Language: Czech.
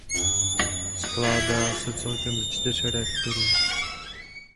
Skládá se celkem ze čtyř reaktorů.